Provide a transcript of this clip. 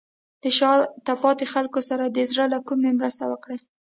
د شاته پاتې خلکو سره د زړه له کومې مرسته وکړئ.